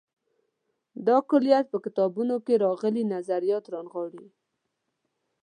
دا کُلیت په کتابونو کې راغلي نظریات رانغاړي.